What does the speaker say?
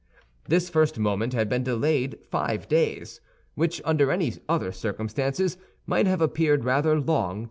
This first moment had been delayed five days, which, under any other circumstances, might have appeared rather long to M.